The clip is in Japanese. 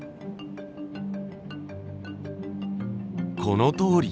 このとおり。